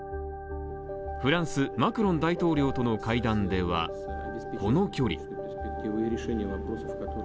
フランス、マクロン大統領との会談ではこの距離。